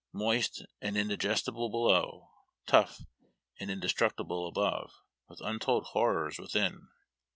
"Moist and indigestible below, tough and indestructible above, with untold liorrors within."